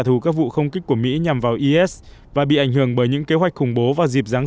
thù các vụ không kích của mỹ nhằm vào is và bị ảnh hưởng bởi những kế hoạch khủng bố vào dịp giáng